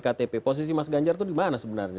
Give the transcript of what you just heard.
ktp posisi mas ganjar itu di mana sebenarnya